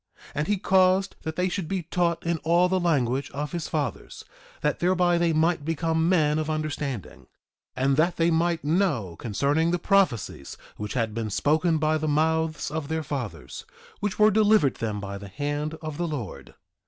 And he caused that they should be taught in all the language of his fathers, that thereby they might become men of understanding; and that they might know concerning the prophecies which had been spoken by the mouths of their fathers, which were delivered them by the hand of the Lord.